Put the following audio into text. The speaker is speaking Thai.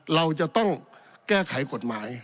เราจะต้องแก้ไขกฎหมาย